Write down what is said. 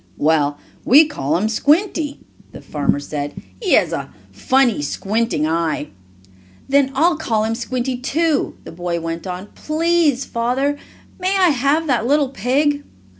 "Well, we call him Squinty," the farmer said. "He has a funny, squinting eye." "Then I'll call him Squinty, too," the boy went on. "Please, Father, may I have that little pig?"